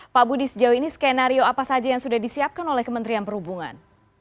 pak budi sejauh ini skenario apa saja yang sudah disiapkan oleh kementerian perhubungan